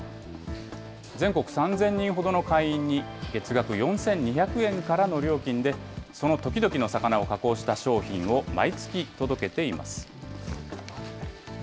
全国３０００人ほどの会員に、月額４２００円からの料金でその時々の魚を加工した商品を毎月届けています。